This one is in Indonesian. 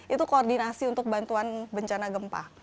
itu koordinasi untuk bantuan bencana gempa